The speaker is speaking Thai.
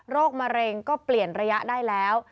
มะเร็งก็เปลี่ยนระยะได้แล้ว